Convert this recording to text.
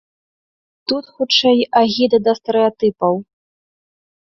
Тут хутчэй агіда да стэрэатыпаў.